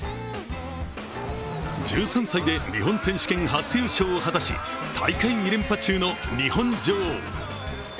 １３歳で日本選手権初優勝を果たし、大会２連覇中の日本女王。